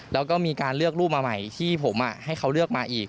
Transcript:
แล้วก็มีการเลือกรูปมาใหม่ที่ผมให้เขาเลือกมาอีก